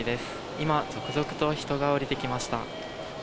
今、続々と人が降りてきました。